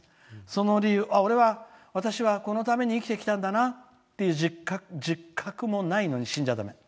その理由、俺は私はこのために生きてきたんだなっていう自覚もないのに死んじゃだめ。